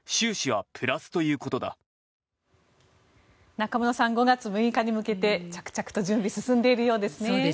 中室さん５月６日に向けて着々と準備が進んでいるようですね。